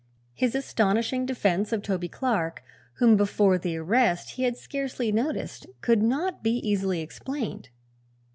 His astonishing defense of Toby Clark, whom before the arrest he had scarcely noticed, could not be easily explained.